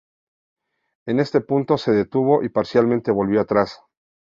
En este punto se detuvo y parcialmente volvió atrás.